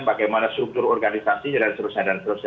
bagaimana struktur organisasi dan sebagainya